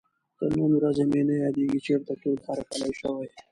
تر نن ورځې مې نه یادېږي چېرته تود هرکلی شوی.